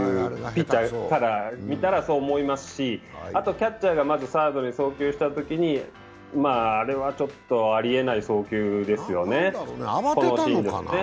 ピッチャーから見たら、そう思いますし、あと、キャッチャーがサードに投球したときにあれはちょっとありえない送球ですよね。